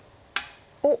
おっ。